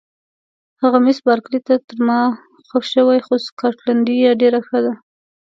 هغه مس بارکلي ته تر ما خوښ شوې، خو سکاټلنډۍ یې ډېره ښه ده.